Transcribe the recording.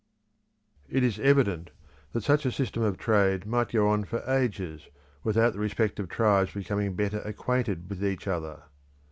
It is evident that such a system of trade might go on for ages without the respective tribes becoming better acquainted with each other.